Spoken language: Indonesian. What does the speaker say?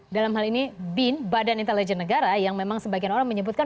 dalam hal ini bin badan intelijen negara yang memang sebagian orang menyebutkan